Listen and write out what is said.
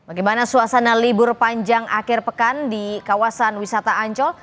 bagaimana suasana libur panjang akhir pekan di kawasan wisata ancol